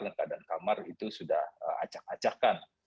dan keadaan kamar itu sudah acak acakan